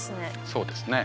そうですね